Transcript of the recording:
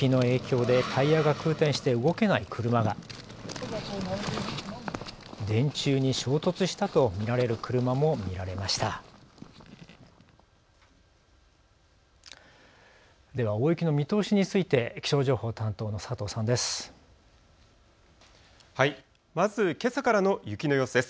では大雪の見通しについて気象情報担当の佐藤さんです。